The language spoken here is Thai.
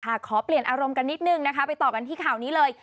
ขอเปลี่ยนอารมณ์กันนิดนึงนะคะไปต่อกันที่ข่าวนี้เลย